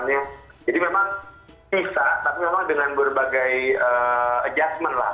tapi memang dengan berbagai adjustment lah